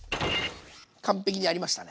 完璧にありましたね。